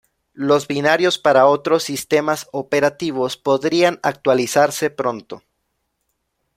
Los binarios para otros sistemas operativos podrían actualizarse pronto.